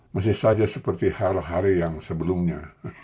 masih saja seperti hal hari yang sebelumnya